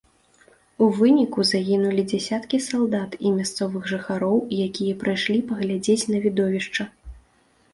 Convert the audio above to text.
У выніку загінулі дзясяткі салдат і мясцовых жыхароў, якія прыйшлі паглядзець на відовішча.